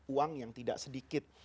uang yang tidak sedikit